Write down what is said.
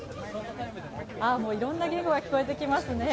いろんな言語が聞こえてきますね。